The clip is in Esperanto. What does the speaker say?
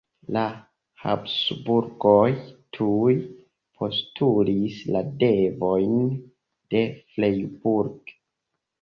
La Habsburgoj tuj postulis la devojn de Freiburg.